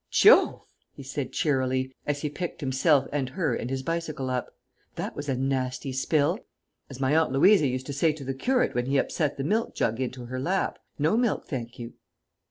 _] "Jove," he said cheerily, as he picked himself and her and his bicycle up, "that was a nasty spill. As my Aunt Louisa used to say to the curate when he upset the milk jug into her lap, 'No milk, thank you.'"